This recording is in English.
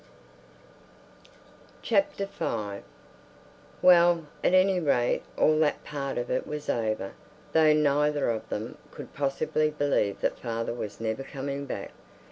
V Well, at any rate, all that part of it was over, though neither of them could possibly believe that father was never coming back.